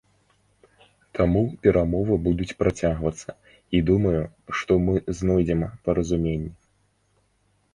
Таму перамовы будуць працягвацца, і думаю, што мы знойдзем паразуменне.